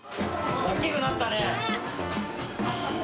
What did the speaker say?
大きくなったね。